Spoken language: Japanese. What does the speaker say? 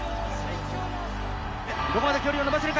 どこまで距離を伸ばせるか？